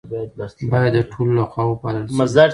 باید د ټولو لخوا وپالل شي.